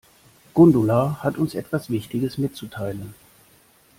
Gundula hat uns etwas wichtiges mitzuteilen.